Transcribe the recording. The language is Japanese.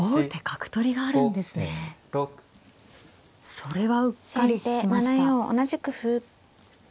それはうっかりしました。